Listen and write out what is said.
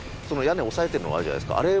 その屋根を押さえてるのがあるじゃないですか。